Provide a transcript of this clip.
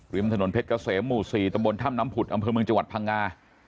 ริมถนนเพชรเกษมหมู่๔ตำบลถ้ำน้ำผุดอำเภอเมืองจังหวัดพังงา